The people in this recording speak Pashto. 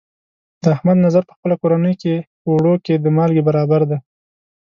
د احمد نظر په خپله کورنۍ کې، په اوړو کې د مالګې برابر دی.